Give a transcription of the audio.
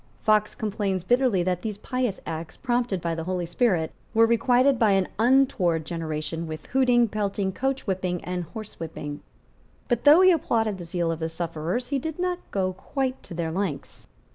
Fox complains bitterly that these pious acts, prompted by the Holy Spirit, were requited by an untoward generation with hooting, pelting, coachwhipping and horsewhipping. But, though he applauded the zeal of the sufferers, he did not go quite to their lengths.